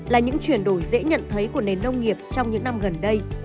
là những chuyển đổi dễ nhận thấy của nền nông nghiệp trong những năm gần đây